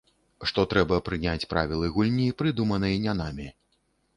Што трэба прыняць правілы гульні, прыдуманай не намі.